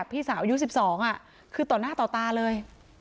พี่สาวอายุสิบสองอ่ะคือต่อหน้าต่อตาเลย